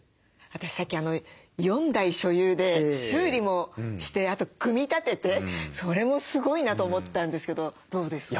私さっき４台所有で修理もしてあと組み立ててそれもすごいなと思ったんですけどどうですか？